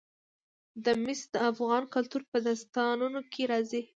مس د افغان کلتور په داستانونو کې راځي.